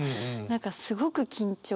何かすごく緊張。